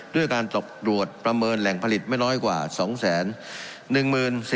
ด้วยการตกตรวจประเมินแหล่งผลิตไม่น้อยกว่า๒แสน